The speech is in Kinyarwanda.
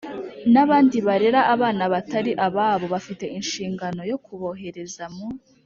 n'abandi barera abana batari ababo bafite inshingano yo kubohereza mu